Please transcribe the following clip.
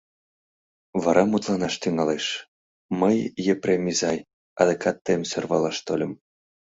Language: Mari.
Вара мутланаш тӱҥалеш: — Мый, Епрем изай, адакат тыйым сӧрвалаш тольым.